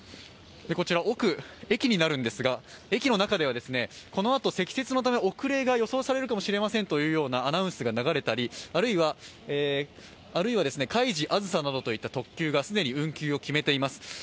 こちら、奥、駅の中では、このあと積雪のため遅れが予想されるかもしれませんというようなアナウンスが流れたり、あるいは「かいじ」「あずさ」などといった特急が既に運休を決めています。